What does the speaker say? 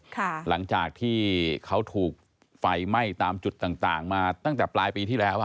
หลังจากที่เขาถูกไฟไหม้ตามจุดต่างต่างมาตั้งแต่ปลายปีที่แล้วอ่ะ